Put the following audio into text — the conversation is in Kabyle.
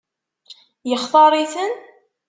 Yextaṛ-iten?